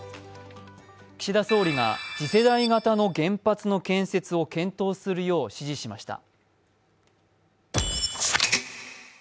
岸田総理が次世代型の原発の建設を検討するよう指示しました。